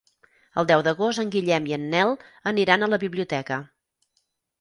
El deu d'agost en Guillem i en Nel aniran a la biblioteca.